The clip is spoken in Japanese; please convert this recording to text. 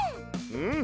うん！